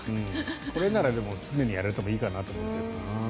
これなら常にやられてもいいかなと思うけどな。